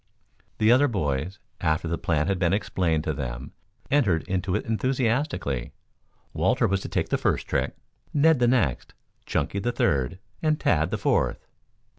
The other boys, after the plan had been explained to them, entered into it enthusiastically. Walter was to take the first trick, Ned the next, Chunky the third and Tad the fourth.